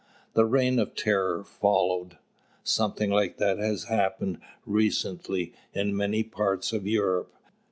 The Reign of Terror followed. Something like that has happened, recently, in many parts of Europe.